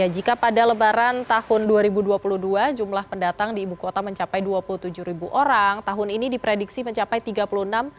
jika pada lebaran tahun dua ribu dua puluh dua jumlah pendatang di ibu kota mencapai dua puluh tujuh ribu orang tahun ini diprediksi mencapai tiga puluh enam orang